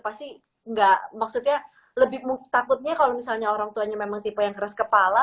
pasti nggak maksudnya lebih takutnya kalau misalnya orang tuanya memang tipe yang keras kepala